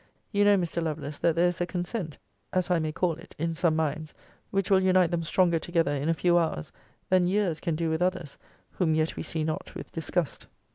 You know, Mr. Lovelace, that there is a consent, as I may call it, in some minds, which will unite them stronger together in a few hours, than years can do with others, whom yet we see not with disgust.'